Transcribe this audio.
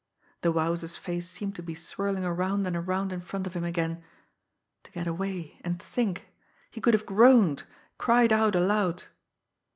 The Wowzer's face seemed to be swirling around and around in front of him again. To get away and think! He could have groaned, cried out aloud!